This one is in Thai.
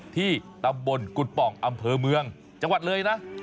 ที่ตำบลกุฎป่องอำเภอเมืองจังหวัดเลยนะ